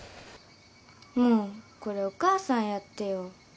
もうこれお母さんやってよ